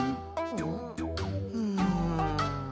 うん。